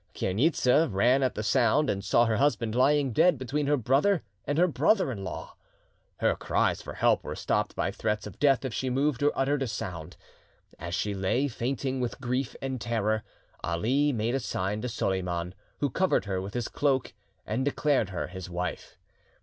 Chainitza ran at the sound, and saw her husband lying dead between her brother and her brother in law. Her cries for help were stopped by threats of death if she moved or uttered a sound. As she lay, fainting with grief and terror, Ali made, a sign to Soliman, who covered her with his cloak, and declared her his wife.